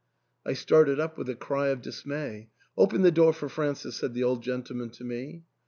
I started up with a cry of dismay. " Open the door for Francis," said the old gentleman to me.